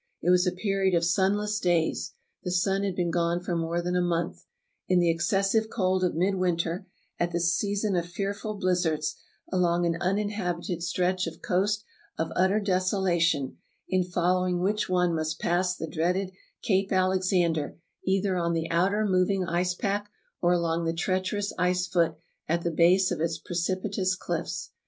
It was a period of sun less days (the sun had been gone for more than a month), in the excessive cold of midwinter, at the season of fearful blizzards, along an uninhabited stretch of coast of utter desolation, in following which one must pass the dreaded Cape Alexander either on the outer moving ice pack or along the treacherous ice foot at the base of its precipitous cliffs.